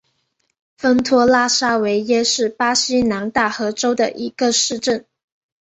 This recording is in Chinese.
丰托拉沙维耶是巴西南大河州的一个市镇。